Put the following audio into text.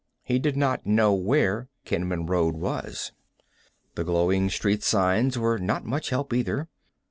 He did not know where Kenman Road was. The glowing street signs were not much help either.